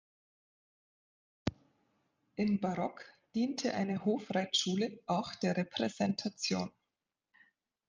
Im Barock diente eine Hofreitschule auch der Repräsentation.